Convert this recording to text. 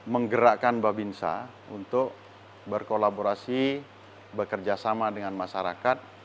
menggerakkan babinsa untuk berkolaborasi bekerjasama dengan masyarakat